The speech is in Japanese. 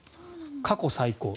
過去最高。